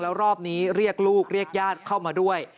แล้วรอบนี้เรียกลูกเรียกญาติเข้ามาด้วย